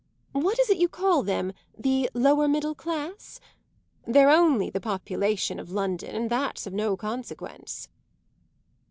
What is it you call them the lower middle class? They're only the population of London, and that's of no consequence."